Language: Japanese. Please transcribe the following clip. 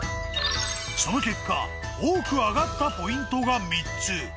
その結果多く挙がったポイントが３つ。